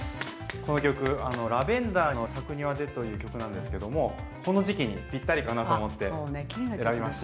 この曲あの「ラヴェンダーの咲く庭で」という曲なんですけどもこの時期にぴったりかなと思って選びました。